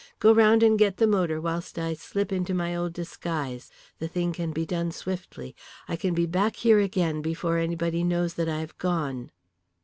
Go round and get the motor whilst I slip into my old disguise. The thing can be done swiftly; I can be back here again before anybody knows that I have gone."